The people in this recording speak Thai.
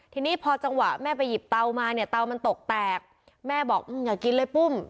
ทีนี้พอจังหวะแม่ไปหยิบเตามาเนี่ยเตามันตกแตกแม่บอกอย่ากินเลยปุ้ม